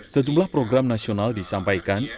sejumlah program nasional disampaikan